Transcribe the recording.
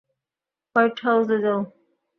White হাউসে যাও!